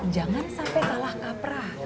jangan sampai salah kaprah